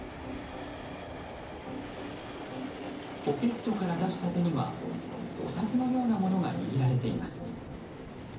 ポケットから出した手にはお札のようなものが握られています。